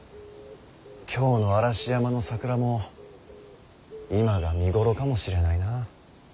京の嵐山の桜も今が見頃かもしれないな。